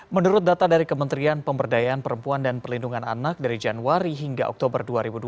menurut data dari kementerian pemberdayaan perempuan dan perlindungan anak dari januari hingga oktober dua ribu dua puluh